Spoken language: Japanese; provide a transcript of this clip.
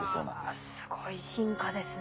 うわすごい進化ですね。